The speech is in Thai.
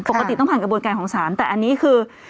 ต้องผ่านกระบวนการของศาลแต่อันนี้คือ